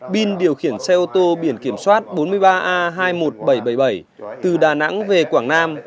bin điều khiển xe ô tô biển kiểm soát bốn mươi ba a hai mươi một nghìn bảy trăm bảy mươi bảy từ đà nẵng về quảng nam